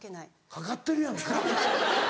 かかってるやんか。